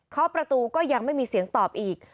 ขอประตูก็ยังไม่มีเสียงตอบอีก